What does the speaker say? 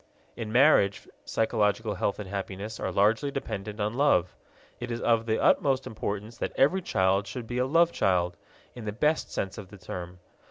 In marriage psychological health and happiness are largely dependent on love. It is of the utmost importance that every child should be a love child, in the best sense of the term.